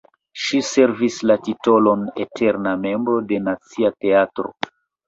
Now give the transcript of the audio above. Ŝi ricevis la titolon eterna membro de Nacia Teatro.